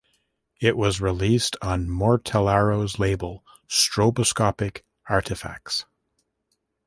It was released on Mortellaro's label Stroboscopic Artefacts.